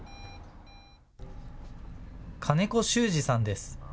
金子周史さんです。